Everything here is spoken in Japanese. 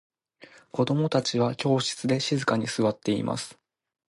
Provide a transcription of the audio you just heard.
子供達は教室で静かに座っています。